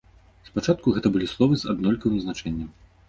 Спачатку гэта былі словы з аднолькавым значэннем.